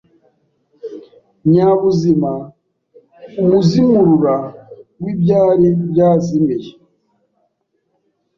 Nyabuzima umuzimurura w’ibyari byazimiye